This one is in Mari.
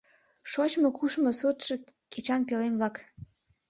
Шочмо-кушмо суртшо, кечан пӧлем-влак...